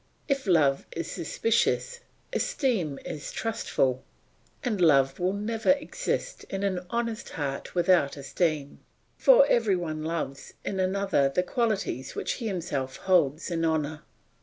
If love is suspicious, esteem is trustful; and love will never exist in an honest heart without esteem, for every one loves in another the qualities which he himself holds in honour.